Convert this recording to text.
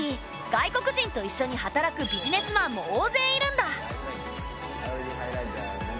外国人といっしょに働くビジネスマンも大勢いるんだ。